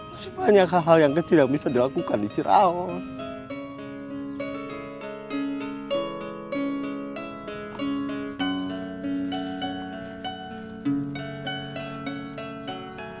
masih banyak hal hal yang kecil yang bisa dilakukan di cirawang